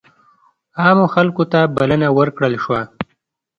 عامو خلکو ته بلنه ورکړل شوه.